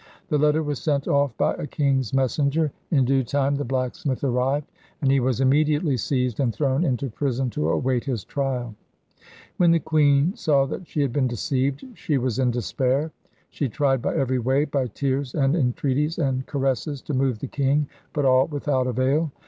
The letter was sent off by a king's messenger. In due time the blacksmith arrived, and he was immediately seized and thrown into prison to await his trial. When the queen saw that she had been deceived, she was in despair. She tried by every way, by tears and entreaties and caresses, to move the king, but all without avail.